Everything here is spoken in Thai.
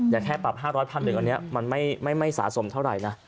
แค่ปรับ๕๐๐๑อันนี้มันไม่สะสมเท่าไหร่นะ